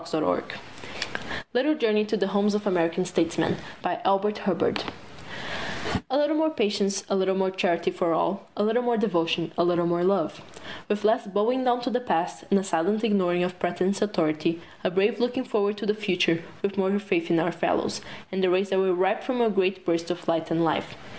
SEWARD ABRAHAM LINCOLN THE LITTLE JOURNEYS CAMP BERT HUBBARD A little more patience, a little more charity for all, a little more devotion, a little more love; with less bowing down to the past, and a silent ignoring of pretended authority; a brave looking forward to the future with more faith in our fellows, and the race will be ripe for a great burst of light and life.